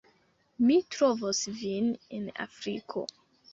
Mi trovos vin en Afriko